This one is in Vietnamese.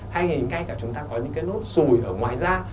hay ngay cả chúng ta có những cái nốt xùi ở ngoài ra